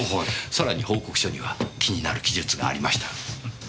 さらに報告書には気になる記述がありました。